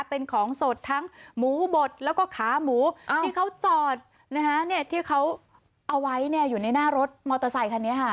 เป็นของสดทั้งหมูบดแล้วก็ขาหมูที่เขาจอดที่เขาเอาไว้อยู่ในหน้ารถมอเตอร์ไซคันนี้ค่ะ